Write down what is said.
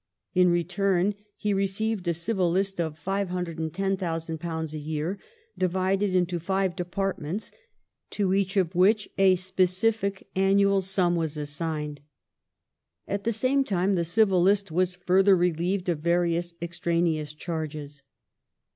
In re turn he received a Civil List of £510,000 a year, divided into five departments, to each of which a specific annual sum was assigned. At the same time the Civil List was further relieved of various ex traneous charges.